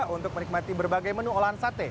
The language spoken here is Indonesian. untuk menikmati berbagai menu olahan sate